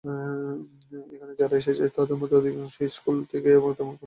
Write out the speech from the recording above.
এখানে যারা এসেছে তাদের মধ্যে অধিকাংশই স্কুল থেকে তেমন কোনো কোচিং পায়নি।